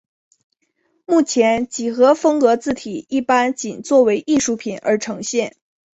目前几何风格字体一般仅作为艺术品而呈现。